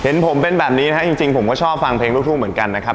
เห็นผมเป็นแบบนี้นะครับจริงผมก็ชอบฟังเพลงลูกทุ่งเหมือนกันนะครับ